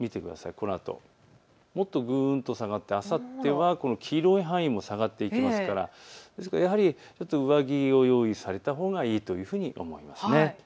このあともっとぐんと下がってあさってはこの黄色い範囲も下がっていきますからやはり上着を用意されたほうがよいというふうに思います。